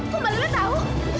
kok malah dia tahu